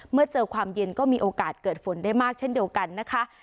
เมื่อเจอความเย็นก็มีโอกาสเกิดฝนได้มากเช่นเดียวกันนะคะ